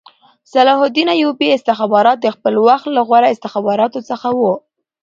د صلاح الدین ایوبي استخبارات د خپل وخت له غوره استخباراتو څخه وو